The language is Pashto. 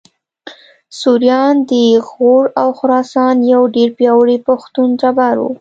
سوریان د غور او خراسان یو ډېر پیاوړی پښتون ټبر و